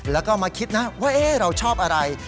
แล้วก็มาคิดนะว่าเราชอบอะไร